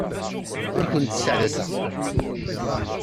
Ur kent-sseɛḍaseɣ.